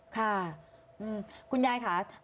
ค่ะคุณยายค่ะ